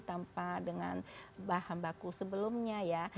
tanpa dengan bahan baku sebelumnya ya